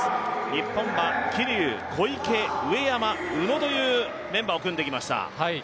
日本は、桐生、小池、上山、宇野というメンバーを組んできました。